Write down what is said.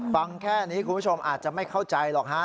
ฟังแค่นี้คุณผู้ชมอาจจะไม่เข้าใจหรอกฮะ